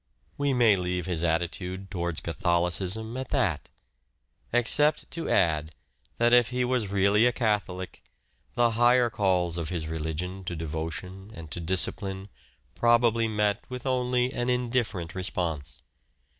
We may leave his attitude towards Catholicism at that ; except to add that, if he was really a Catholic, the higher calls of his religion to devotion and to dis cipline probably met with only an indifferent response.